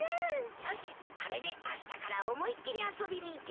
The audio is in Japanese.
よしこれであしたから思いっ切り遊びに行けるぞ！